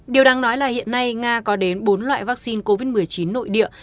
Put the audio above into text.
điều đáng nói là hiện nay nga có đến bốn loại vaccine covid một mươi chín nội địa